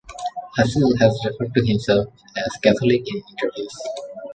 Fassel has referred to himself as Catholic in interviews.